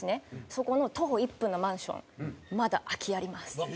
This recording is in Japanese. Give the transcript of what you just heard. そこの徒歩１分のマンションまだ空きあります。